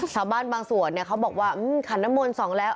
ชาวบ้านบางส่วนแหละเขาบอกว่าขันนโมนสองแล้ว